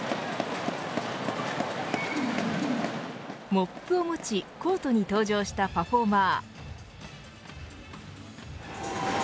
モップを持ちコートに登場したパフォーマー。